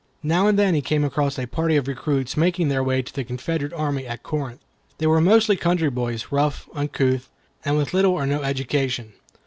Now and then he came across a party of recruits making their way to the Confederate army at Corinth. They were mostly country boys, rough, uncouth, and with little or no education.